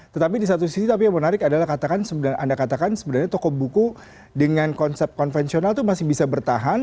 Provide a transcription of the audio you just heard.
tetapi di satu sisi tapi yang menarik adalah anda katakan sebenarnya toko buku dengan konsep konvensional itu masih bisa bertahan